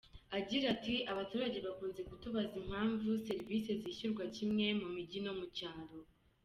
Agira ati “Abaturage bakunze kutubaza impamvu serivisi zishyurwa kimwe mu mijyi no mu cyaro.